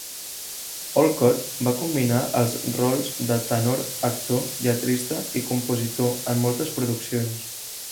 Olcott va combinar els rols de tenor, actor, lletrista i compositor en moltes produccions.